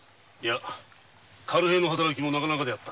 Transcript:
軽平の働きもなかなかであったぞ。